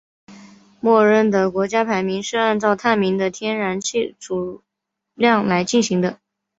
默认的国家排名是按照探明的天然气储量来进行的。